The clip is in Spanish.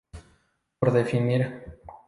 Por definir.